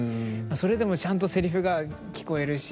それでもちゃんとセリフが聞こえるし。